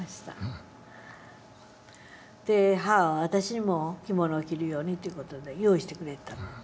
母は私にも着物を着るようにという事で用意してくれてた。